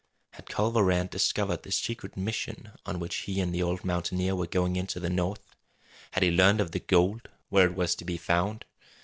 Had Culver Rann discovered the secret mission on which he and the old mountaineer were going into the North? Had he learned of the gold where it was to be found?